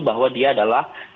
bahwa dia adalah